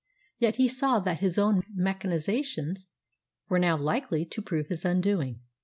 Yet he saw that his own machinations were now likely to prove his undoing.